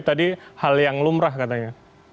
tadi hal yang lumrah katanya